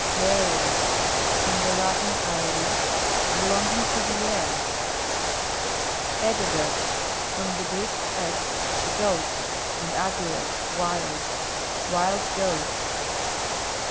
AERIAL From the Latin aerius : be longing to the air. ^EGAGRE. From the Greek, nix, a goat, and agrios, wild : wild goat.